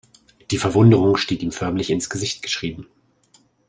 Die Verwunderung steht ihm förmlich ins Gesicht geschrieben.